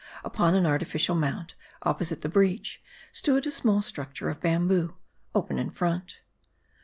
Upon an artificial mound, opposite the breach, stood a small structure of bamboo, open in front.